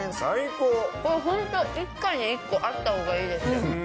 これ、本当、一家に１個あったほうがいいです。